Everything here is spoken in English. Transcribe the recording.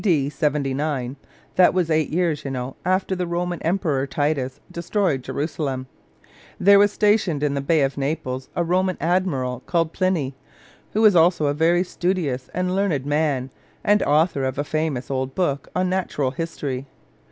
D. 79 (that was eight years, you know, after the Emperor Titus destroyed Jerusalem), there was stationed in the Bay of Naples a Roman admiral, called Pliny, who was also a very studious and learned man, and author of a famous old book on natural history.